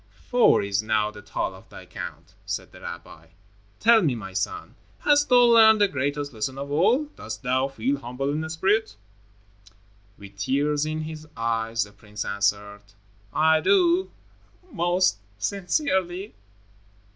"Four is now the toll of thy count," said the rabbi. "Tell me, my son, hast thou learned the greatest lesson of all? Dost thou feel humble in spirit?" With tears in his eyes, the prince answered, "I do, most sincerely."